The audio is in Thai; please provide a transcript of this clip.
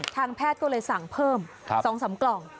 ทางแพทย์ก็เลยสั่งเพิ่ม๒๓กล่อง